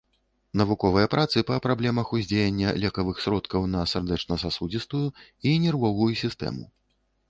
Навуковыя працы па праблемах уздзеяння лекавых сродкаў на сардэчна-сасудзістую і нервовую сістэму.